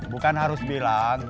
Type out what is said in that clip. bukan harus bilang